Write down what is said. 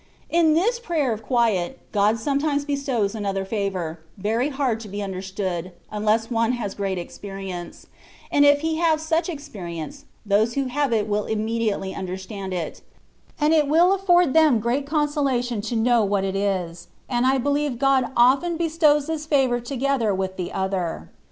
^' In this Prayer of Quiet, God sometimes bestows another favour, very hard to be imderstood, unless one has great experience ; and if he have such ex perience, those who have it will immediately un derstand it ; and it will afford them great consola tion to know what it is, and I believe God often bestows this favour together with the other.